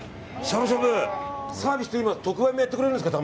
サービスで特売もやってくれるんですか？